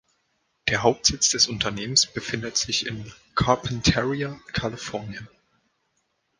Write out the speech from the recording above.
Der Hauptsitz des Unternehmens befindet sich in Carpinteria, Kalifornien.